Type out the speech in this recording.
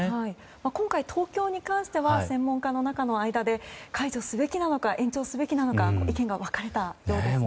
今回、東京に関しては専門家の中の間で解除すべきなのか延長すべきなのか意見が分かれたようですね。